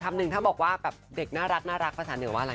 หนึ่งถ้าบอกว่าแบบเด็กน่ารักภาษาเหนือว่าอะไร